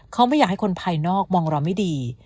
เขาไม่อยากให้คนภายนอกมองเราไม่ดี